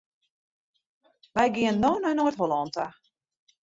Wy gean no nei Noard-Hollân ta.